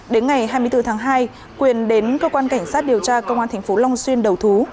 đến ngày hai mươi bốn tháng hai quyền đến cơ quan cảnh sát điều tra công an tp long xuyên đầu thú